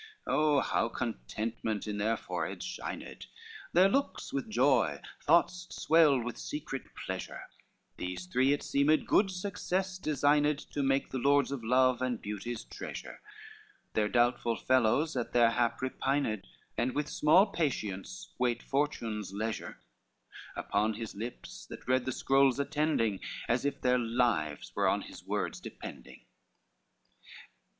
LXXIV Oh how contentment in their foreheads shined! Their looks with joy; thoughts swelled with secret pleasure, These three it seemed good success designed To make the lords of love and beauty's treasure: Their doubtful fellows at their hap repined, And with small patience wait Fortune's leisure, Upon his lips that read the scrolls attending, As if their lives were on his words depending.